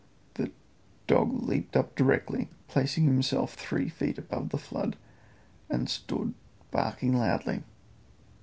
The dog leaped up directly, placing himself three feet above the flood, and stood barking loudly.